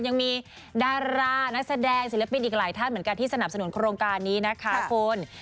ยังมีดารานักแสดงศิลปินอีกหลายท่านเหมือนกันที่สนับสนุนโครงการนี้นะคะคุณ